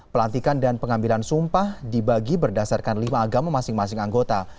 pelantikan dan pengambilan sumpah dibagi berdasarkan lima agama masing masing anggota